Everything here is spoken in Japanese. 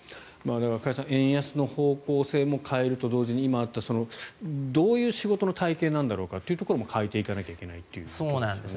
加谷さん円安の方向性も変えると同時に今あったどういう仕事の体系なんだろうかというところも変えていかなきゃいけないと。